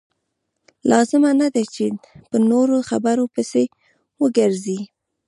لازمه نه ده چې په نورو خبرو پسې وګرځئ.